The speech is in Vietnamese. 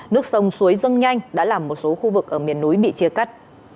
nước sông suối dâng nhanh đã làm một số khu vực ở miền núi bị chia cắt